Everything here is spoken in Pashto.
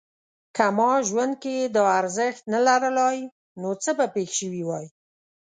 که ما ژوند کې دا ارزښت نه لرلای نو څه به پېښ شوي وای؟